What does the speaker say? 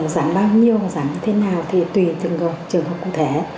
giảm bao nhiêu và giảm như thế nào thì tùy từng trường hợp cụ thể